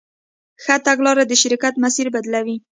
ښه تګلاره د شرکت مسیر بدلوي.